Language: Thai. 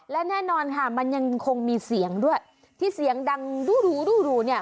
และแน่นอนค่ะมันยังคงมีเสียงด้วยที่เสียงดังรูเนี่ย